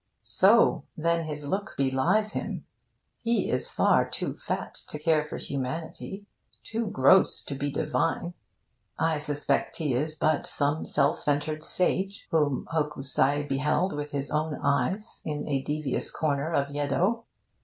So? Then his look belies him. He is far too fat to care for humanity, too gross to be divine. I suspect he is but some self centred sage, whom Hokusai beheld with his own eyes in a devious corner of Yedo.